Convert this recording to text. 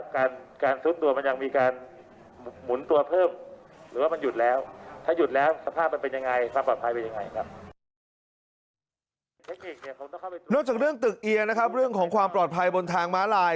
เนื่องจากเรื่องตึกเอียนะครับเรื่องของความปลอดภัยบนทางม้าลาย